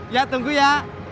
ya tunggu ya